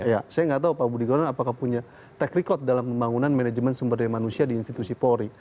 ya saya nggak tahu pak budi guna apakah punya track record dalam pembangunan manajemen sumber daya manusia di institusi polri